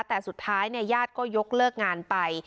แต่สุดท้ายญาติก็ยกเลิกงานไป